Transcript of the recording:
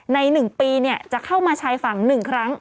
ใน๑ปีจะเข้ามาชายฝั่ง๑ครั้ง